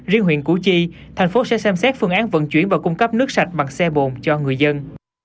riêng huyện củ chi thành phố sẽ xem xét phương án vận chuyển và cung cấp nước sạch bằng xe bồn cho người dân